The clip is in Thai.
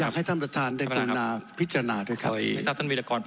อยากให้ท่านประธานได้คุณาพิจารณาด้วยครับท่านประธานมีละก่อน